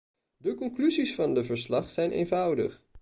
De conclusies van de verslag zijn eenvoudig.